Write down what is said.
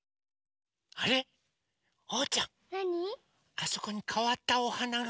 あそこにかわったおはなが。